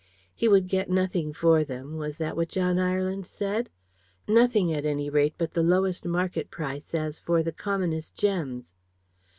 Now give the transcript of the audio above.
He would get nothing for them was that what John Ireland said? Nothing, at any rate, but the lowest market price, as for the commonest gems.